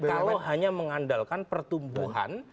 kalau hanya mengandalkan pertumbuhan